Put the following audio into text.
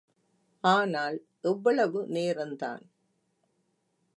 ஆனால் எவ்வளவு நேரந்தான்.